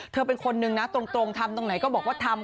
เธอเป็นคนนึงนะตรงทำตรงไหนก็บอกว่าทำ